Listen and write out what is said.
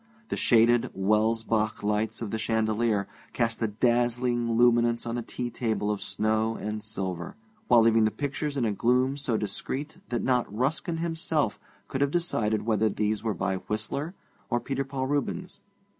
The shaded Welsbach lights of the chandelier cast a dazzling luminance on the tea table of snow and silver, while leaving the pictures in a gloom so discreet that not Ruskin himself could have decided whether these were by Whistler or Peter Paul Rubens.